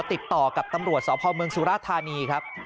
ติดต่อกับตำรวจสพมสุราชน์ธานีครับ